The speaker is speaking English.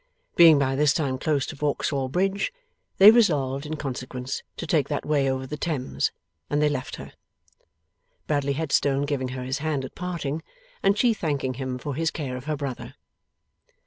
Being by this time close to Vauxhall Bridge, they resolved, in consequence, to take that way over the Thames, and they left her; Bradley Headstone giving her his hand at parting, and she thanking him for his care of her brother.